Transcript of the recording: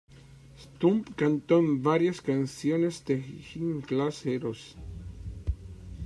Stump cantó en varias canciones de Gym Class Heroes.